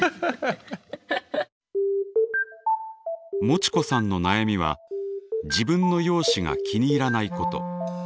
もちこさんの悩みは自分の容姿が気に入らないこと。